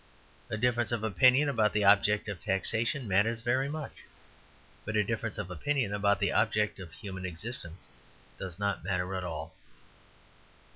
A difference of opinion about the object of taxation matters very much; but a difference of opinion about the object of human existence does not matter at all.